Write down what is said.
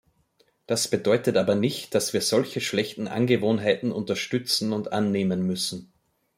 Das bedeutet aber nicht, dass wir solche schlechten Angewohnheiten unterstützen und annehmen müssen.